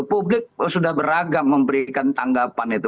publik sudah beragam memberikan tanggapan itu